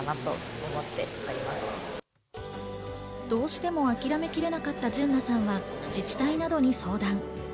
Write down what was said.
どうしても諦めきれなかった純奈さんは自治体などに相談。